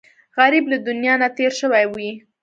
غریب له دنیا نه تېر شوی وي